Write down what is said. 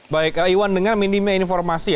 baik iwan dengan minimnya informasi